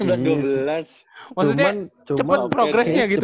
maksudnya cepet progressnya gitu